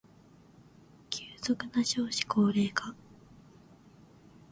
急速な少子高齢化